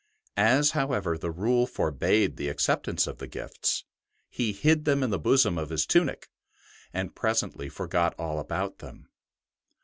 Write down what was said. As, however, the Rule forbade the acceptance of gifts, he hid them in the bosom of his tunic and presently forgot all about them.